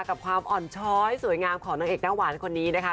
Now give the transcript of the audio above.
กับความอ่อนช้อยสวยงามของนางเอกหน้าหวานคนนี้นะคะ